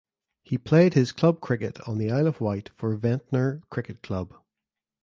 He played his club cricket on the Isle of Wight for Ventnor Cricket Club.